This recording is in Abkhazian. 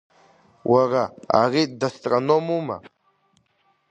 Уара, ари дастрономума?